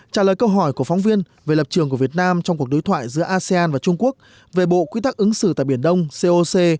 trả lời câu hỏi của phóng viên về lập trường của việt nam trong cuộc đối thoại giữa asean và trung quốc về bộ quy tắc ứng xử tại biển đông coc